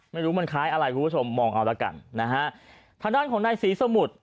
ไม่รู้มันคล้ายอะไรคุณผู้ชมมองเอาละกันนะฮะทางด้านของนายศรีสมุทร